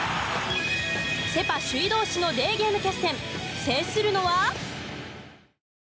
セ・パ首位同士のデーゲーム決戦制するのは？